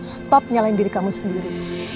stop nyalahin diri kamu sendiri